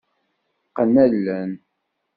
Qqen allen.